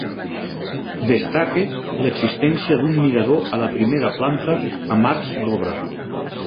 Destaca l'existència d'un mirador a la primera planta amb arcs d'obra.